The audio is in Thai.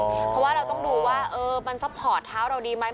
เพราะว่าเราต้องดูว่ามันซัพพอร์ตเท้าเราดีไหม